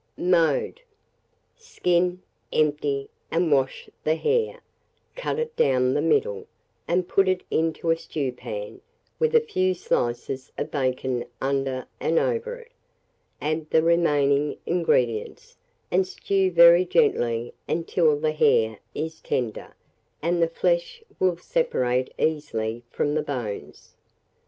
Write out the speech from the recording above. Mode. Skin, empty, and wash the hare; cut it down the middle, and put it into a stewpan, with a few slices of bacon under and over it; add the remaining ingredients, and stew very gently until the hare is tender, and the flesh will separate easily from the bones.